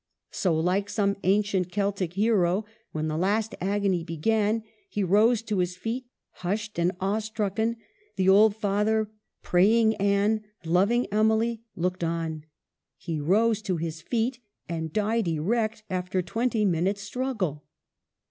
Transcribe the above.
So, like some an cient Celtic hero, when the last agony began, he rose to his feet ; hushed and awe stricken, the old father, praying Anne, loving Emily, looked on. He rose to. his feet and died erect after twenty minutes' struggle.